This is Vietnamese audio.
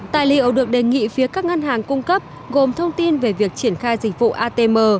tài liệu được đề nghị phía các ngân hàng cung cấp gồm thông tin về việc triển khai dịch vụ atm